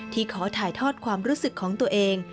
ขอถ่ายทอดความรู้สึกของตัวเอง